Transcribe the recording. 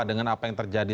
dengan apa yang terjadi